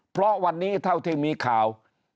เพราะวันนี้เท่าที่มีข่าว